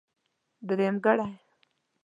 درېمګړی.